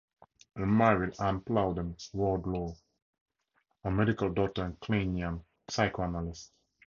He married Ann Plowden-Wardlaw, a medical doctor and Kleinian psychoanalyst.